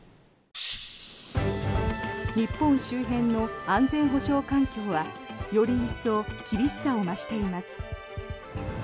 日本周辺の安全保障環境はより一層厳しさを増しています。